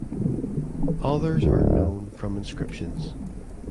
Others are known from inscriptions.